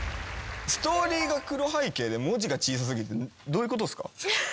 ストーリーが黒背景で文字が小さ過ぎるってどういうことっすか？